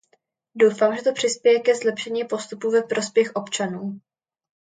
Doufám, že to přispěje ke zlepšení postupů ve prospěch občanů.